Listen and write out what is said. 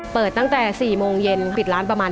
ตั้งแต่๔โมงเย็นปิดร้านประมาณ